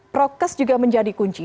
prokes juga menjadi kunci